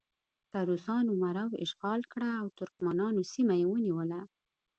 که روسانو مرو اشغال کړه او ترکمنانو سیمه یې ونیوله.